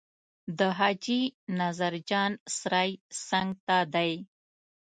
د حاجي نظر جان سرای څنګ ته دی.